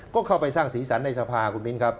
ก็เข้าไปสร้างสีสันในสภาคุณมิ้นครับ